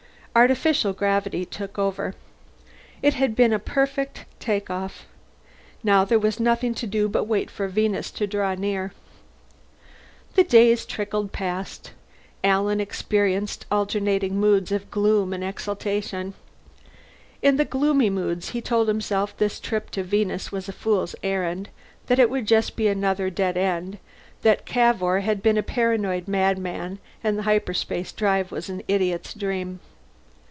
Artificial gravity took over. It had been a perfect takeoff. Now there was nothing to do but wait for Venus to draw near. The days trickled past. Alan experienced alternating moods of gloom and exultation. In the gloomy moods he told himself that this trip to Venus was a fool's errand, that it would be just another dead end, that Cavour had been a paranoid madman and the hyperspace drive was an idiot's dream.